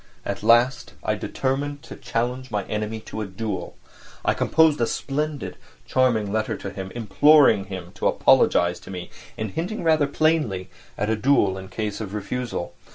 At last I determined to challenge my enemy to a duel. I composed a splendid, charming letter to him, imploring him to apologise to me, and hinting rather plainly at a duel in case of refusal.